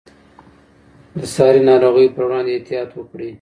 د ساري ناروغیو پر وړاندې احتیاط وکړئ.